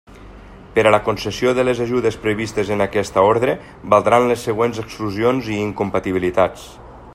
Per a la concessió de les ajudes previstes en aquesta ordre, valdran les següents exclusions i incompatibilitats.